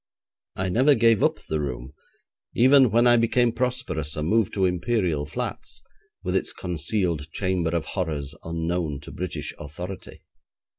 I never gave up the room, even when I became prosperous and moved to Imperial Flats, with its concealed chamber of horrors unknown to British authority.